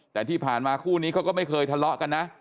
แต่ที่ผ่านมาคู่นี้เขาก็ไม่เคยทะเลาะกันนะ